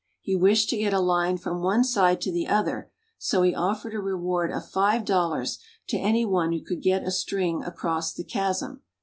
He wished to get a Hne from one side to the other; so he offered a reward of five dollars to any one who could get a string across the chasm.